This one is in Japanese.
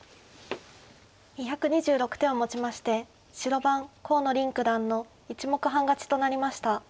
２２６手をもちまして白番河野臨九段の１目半勝ちとなりました。